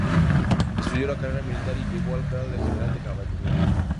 Estudió la carrera militar y llegó al grado de general de caballería.